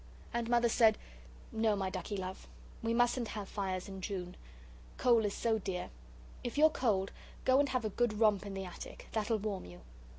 And Mother said: "No, my ducky love. We mustn't have fires in June coal is so dear. If you're cold, go and have a good romp in the attic. That'll warm you."